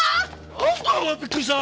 なんだよお前びっくりしたな！